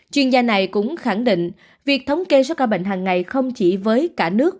chuyên gia này cũng khẳng định việc thống kê số ca bệnh hàng ngày không chỉ với cả nước